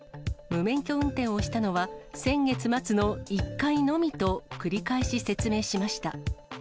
無免許運転をしたのは先月末の１回のみと繰り返し説明しました。